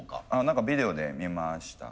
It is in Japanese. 何かビデオで見ました。